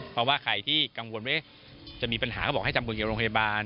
เพราะว่าใครที่กังวลว่าจะมีปัญหาก็บอกให้ทำบุญเกี่ยวกับโรงพยาบาล